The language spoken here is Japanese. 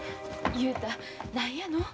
雄太何やの？